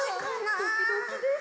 ドキドキです。